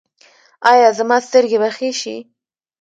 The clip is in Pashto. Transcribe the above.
ایا زما سترګې به ښې شي؟